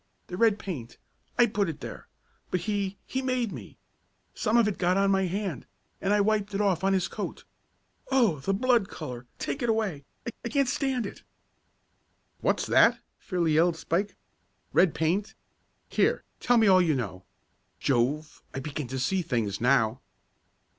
The red paint I put it there. But he he made me. Some of it got on my hand, and I wiped it off on his coat. Oh, the blood color! Take it away. I I can't stand it!" "What's that?" fairly yelled Spike. "Red paint? Here, tell me all you know! Jove, I begin to see things now!"